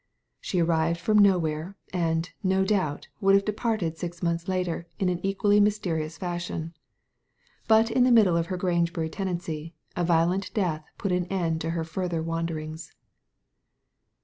She arrived from nowhere, and, no doubt, would have departed six months later in an equally mysterious fashion. But in the middle of her Grangebury tenancy, a violent death put an end to her further wanderings.